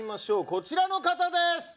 こちらの方です！